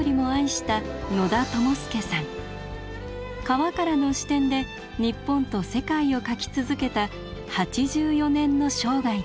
川からの視点で日本と世界を書き続けた８４年の生涯でした。